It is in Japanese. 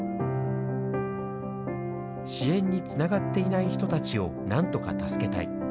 支援につながっていない人たちをなんとか助けたい。